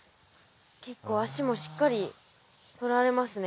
結構足もしっかりとられますね。